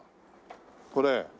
これ。